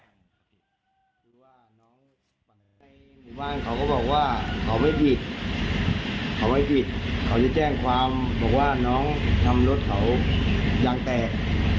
คือว่าน้องในหมู่บ้านเขาก็บอกว่าเขาไม่ผิดเขาไม่ผิดเขาจะแจ้งความบอกว่าน้องทำรถเขายางแตก